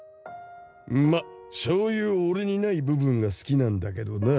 まっそういう俺にない部分が好きなんだけどな。